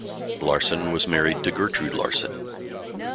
Larson was married to Gertrude Larson.